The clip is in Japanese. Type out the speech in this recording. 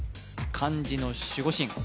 漢字の守護神